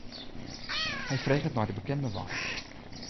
Hy freget nei de bekende wei.